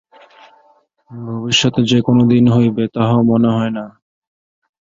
ভবিষ্যতে যে কোনদিন হইবে, তাহাও মনে হয় না।